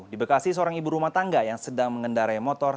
di bekasi seorang ibu rumah tangga yang sedang mengendarai motor